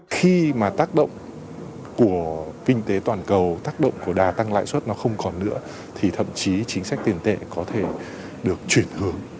khi mà tác động của kinh tế toàn cầu tác động của đa tăng lãi suất nó không còn nữa thì thậm chí chính sách tiền tệ có thể được chuyển hướng